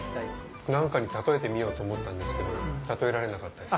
何かに例えてみようと思ったんですけど例えられなかったです。